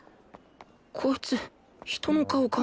こいつ人の顔ガン